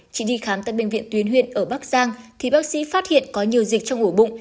chị đi khám tại bệnh viện tuyến huyện ở bắc giang thì bác sĩ phát hiện có nhiều dịch trong ổi bụng